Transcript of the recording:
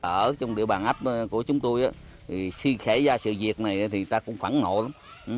ở trong địa bàn áp của chúng tôi khi xảy ra sự việc này thì ta cũng phản hộ lắm